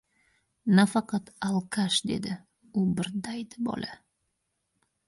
— Nafaqat alkash, — dedi. — U bir daydi bola.